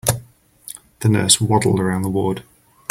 The nurse waddled around the ward.